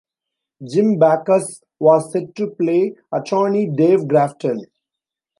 Jim Backus was set to play attorney Dave Grafton.